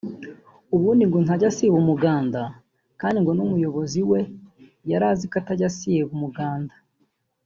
ubundi ngo ntajya asiba umuganda kandi ngo n’umuyobozi we yari azi ko atajya asiba umuganda